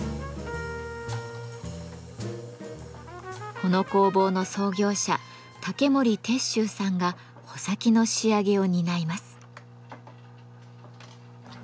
この工房の創業者竹森鉄舟さんが穂先の仕上げを担います。